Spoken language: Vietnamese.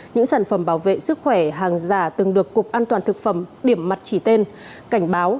những sản phẩm bảo vệ sức khỏe hàng giả từng được cục an toàn thực phẩm điểm mặt chỉ tên cảnh báo